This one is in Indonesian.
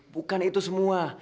bukan itu semua